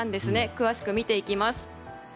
詳しく見ていきます。